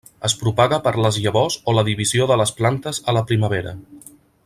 Es propaga per les llavors o la divisió de les plantes a la primavera.